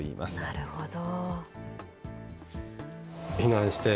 なるほど。